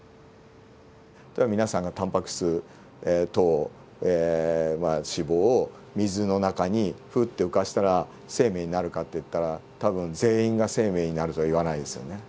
皆さんがタンパク質糖脂肪を水の中にふっと浮かしたら生命になるかっていったら多分全員が生命になるとは言わないですよね。